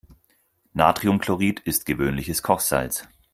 Natriumchlorid ist gewöhnliches Kochsalz.